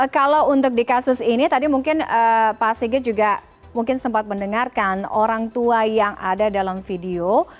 kalau untuk di kasus ini tadi mungkin pak sigit juga mungkin sempat mendengarkan orang tua yang ada dalam video